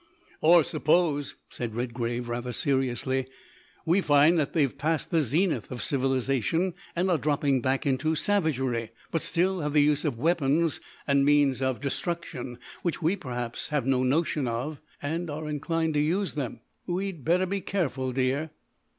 "Or suppose," said Redgrave rather seriously, "we find that they have passed the zenith of civilisation, and are dropping back into savagery, but still have the use of weapons and means of destruction which we, perhaps, have no notion of, and are inclined to use them? We'd better be careful, dear."